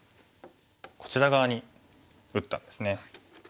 こちら側に打ったんですね。